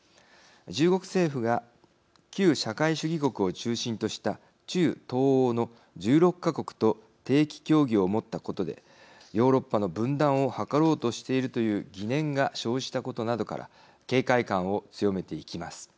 中国政府が旧社会主義国を中心とした中・東欧の１６か国と定期協議をもったことでヨーロッパの分断を図ろうとしているという疑念が生じたことなどから警戒感を強めていきます。